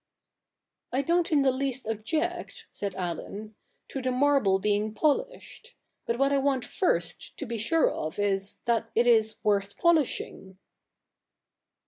' I don't in the least object,' said Allen, ' to the marble being polished ; but what I want first to be sure of is, that it is worth polishing.'